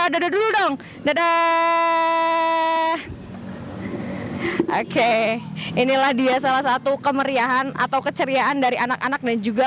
dada dulu dong dada oke inilah dia salah satu kemeriahan atau keceriaan dari anak anak dan juga